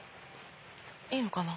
いいのかな？